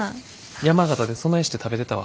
山形でそないして食べてたわ。